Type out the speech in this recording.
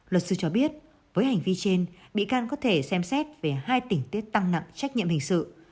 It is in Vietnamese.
luật sư cho biết với hành vi trên bị can có thể xem xét về hai tỉnh tiết tăng nặng trách nhiệm hình sự